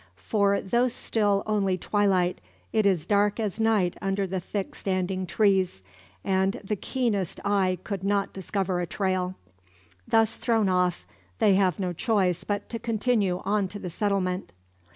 For though still only twilight it is dark as night under the thick standing trees; and he keenest eye could not discover a trail. Thus thrown off, they have no choice but continue on to the settlement.